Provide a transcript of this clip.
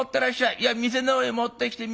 いや店のほうへ持ってきて。